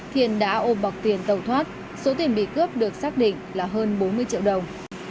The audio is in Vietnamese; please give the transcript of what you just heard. thiên đã ôm bọc tiền tẩu thoát số tiền bị cướp được xác định là hơn bốn mươi triệu đồng